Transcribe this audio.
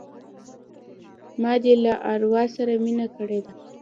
ما دي له اروا سره مینه کړې ده